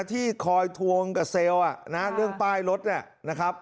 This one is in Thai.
ที่คอยทวงกับเซลล์เรื่องป้ายรถเนี่ยนะครับ